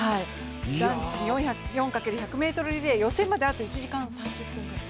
男子４×１００ｍリレー、予選まであと１時間３０分ぐらい。